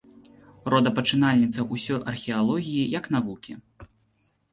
Родапачынальніца ўсёй археалогіі як навукі.